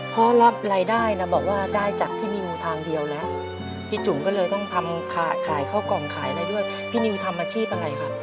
เพราะรับรายได้นะบอกว่าได้จากพี่นิวทางเดียวแล้วพี่จุ๋มก็เลยต้องทำขายข้าวกล่องขายอะไรด้วยพี่นิวทำอาชีพอะไรครับ